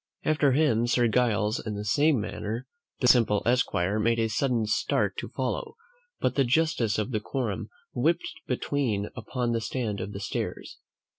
After him Sir Giles in the same manner. The simple esquire made a sudden start to follow, but the justice of the quorum whipped between upon the stand of the stairs.